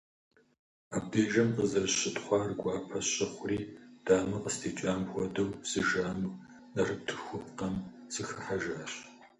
Абдежым къызэрысщытхъуар гуапэ сщыхъури, дамэ къыстекӀам хуэдэу, сыжану, нартыхупкъэм сыхыхьэжащ.